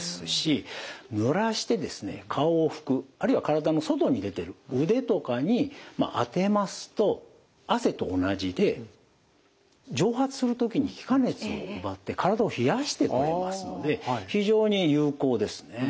あるいは体の外に出てる腕とかに当てますと汗と同じで蒸発する時に気化熱を奪って体を冷やしてくれますので非常に有効ですね。